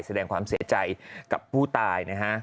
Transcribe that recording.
แสดงความเสียใจกับผู้ตายนะฮะ